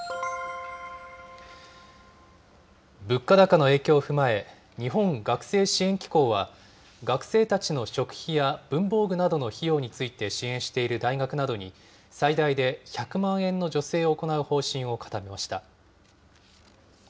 物価高の影響を踏まえ、日本学生支援機構は、学生たちの食費や文房具などの費用について支援している大学などに、最大で１００万円の助成を行う方針を固めました。